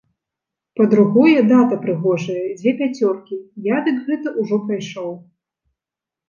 Па-другое, дата прыгожая, дзве пяцёркі, я дык гэта ўжо прайшоў.